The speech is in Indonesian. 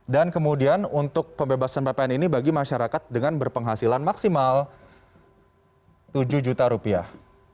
kemudian untuk pembebasan ppn ini bagi masyarakat dengan berpenghasilan maksimal tujuh juta rupiah